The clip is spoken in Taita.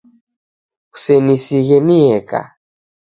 Kusenisighe nieka.